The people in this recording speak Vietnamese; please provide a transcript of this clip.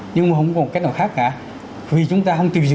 nhưng mà không có một cách nào đó